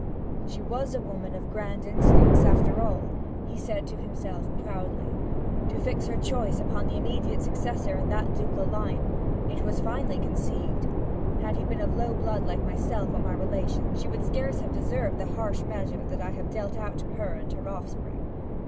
'She was a woman of grand instincts, after all,' he said to himself proudly. 'To fix her choice upon the immediate successor in that ducal line it was finely conceived! Had he been of low blood like myself or my relations she would scarce have deserved the harsh measure that I have dealt out to her and her offspring.